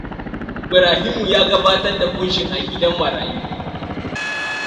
Ibrahimu ya gabatar da kunshin a gidan marayu.